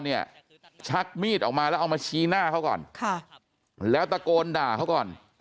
ชักมีดออกมาแล้วเอามาชี้หน้าเขาก่อนค่ะแล้วตะโกนด่าเขาก่อน